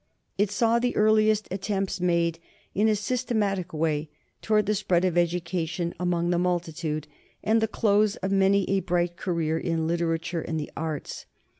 It saw the earliest attempts made in a systematic way towards the spread of education among the multitude, and the close of many a bright career in literature and the arts.